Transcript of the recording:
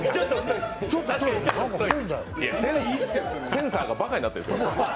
センサーがばかになってるんですよ。